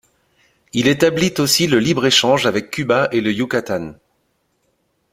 Il établit aussi le libre échange avec Cuba et le Yucatán.